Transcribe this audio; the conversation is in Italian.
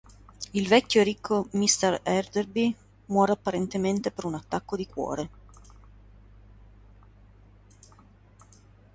Il vecchio e ricco Mr. Enderby muore apparentemente per un attacco di cuore.